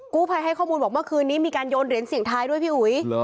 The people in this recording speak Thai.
กู้ภัยให้ข้อมูลบอกเมื่อคืนนี้มีการโยนเหรียญเสียงท้ายด้วยพี่อุ๋ย